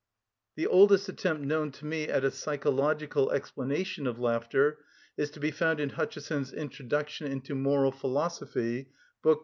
The oldest attempt known to me at a psychological explanation of laughter is to be found in Hutcheson's "Introduction into Moral Philosophy," Bk.